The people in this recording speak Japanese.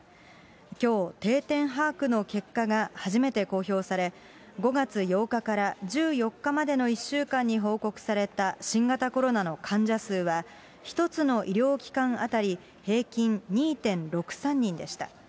きょう、定点把握の結果が初めて公表され、５月８日から１４日までの１週間に報告された新型コロナの患者数は、１つの医療機関当たり平均２．６３人でした。